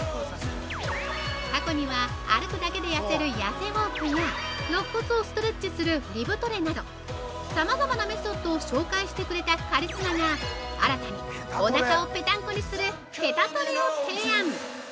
過去には、歩くだけで痩せる痩せウォークやろっ骨をストレッチするリブトレなどさまざまなメソッドを紹介してくれたカリスマが新たに、おなかをペタンコにするペタトレを提案！